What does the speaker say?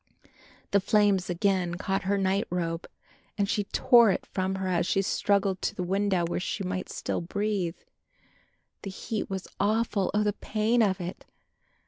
The flames again caught her night robe and she tore it from her as she struggled to the window where she might still breathe. The heat was awful; oh, the pain of it!